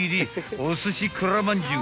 ［おすしくらまんじゅう］